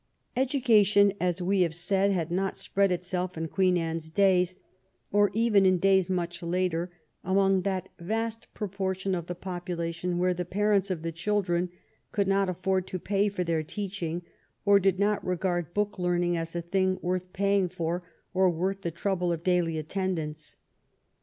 Education, as we have said, had not spread itself in Queen Anne's days, or even in days much later, among that vast proportion of the population where the parents of the children could not afford to pay for their teach ing, or did not regard book learning as a thing worth paying for or worth the trouble of daily attendance.